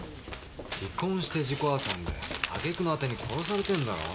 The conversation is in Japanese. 離婚して自己破産で揚げ句の果てに殺されてるだろ？